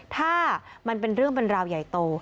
ถ้ามันเป็นเรื่องเป็นราวใหญ่โต